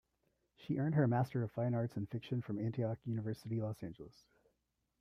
She earned her Master of Fine Arts in fiction from Antioch University Los Angeles.